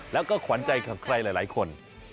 แล้วก็ขวัญใจของใครหลายคน